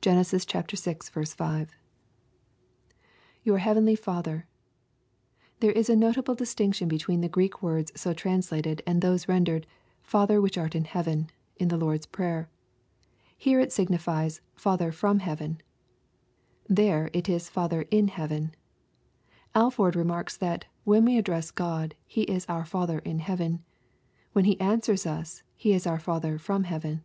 Gen. vi. t [ Four heavenly Father, j There is a notable distinction between the Greek words so translated and those rendered " Father which art in heaven," in the Lord's prayer. Here it signifies " Futlicr from heaven." There it is " Father in heaven." — Alford remarks that " when we address God, He is our Father in heaven, — when He answers us. He is our Father from heaven.